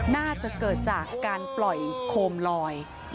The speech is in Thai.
น่าจะเกิดจากการปล่อยโคมลอย